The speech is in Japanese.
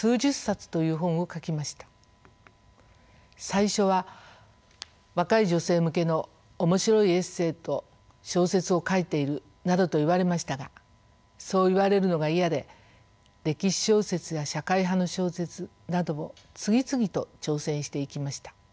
最初は「若い女性向けの面白いエッセーと小説を書いている」などと言われましたがそう言われるのが嫌で歴史小説や社会派の小説などを次々と挑戦していきました。